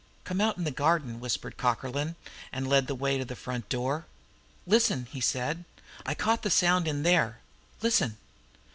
"Come out to the garden!" whispered Cockerlyne, and led the way to the front door. "Listen!" he said. "I caught the sound in there! Listen!"